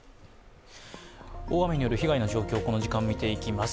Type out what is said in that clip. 大雨による被害の状況をこの時間、見ていきます。